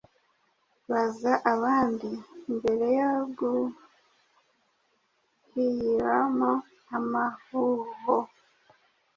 Baza abandi mbere yo guhyiramo amahuho